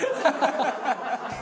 ハハハハ！